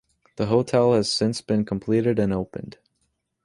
The hotel has since been completed and opened.